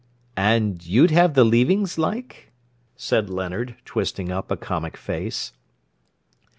"An' you'd have the leavings, like?" said Leonard, twisting up a comic face.